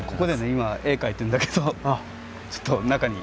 今絵描いてるんだけどちょっと中に。